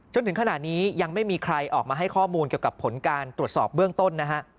จนถึงขณะนี้ยังไม่มีใครออกมาให้ข้อมูลเกี่ยวกับผลการตรวจสอบเบื้องต้นนะฮะ